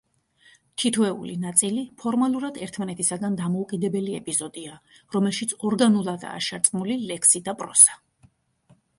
თითოეული ნაწილი ფორმალურად ერთმანეთისაგან დამოუკიდებელი ეპიზოდია, რომელშიც ორგანულადაა შერწყმული ლექსი და პროზა.